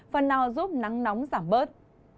phần nào giúp nắng nóng giảm bớt